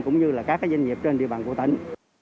cũng như là các doanh nghiệp trên địa bàn của tỉnh